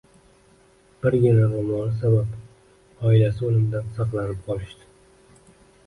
Birgina roʻmoli sabab oilasi oʻlimdan saqlanib qolishdi